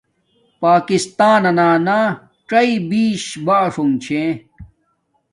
پاکستانانا څݵ بیش باݽݸنݣ چھے